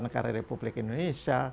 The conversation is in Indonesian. negara republik indonesia